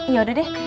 ya udah deh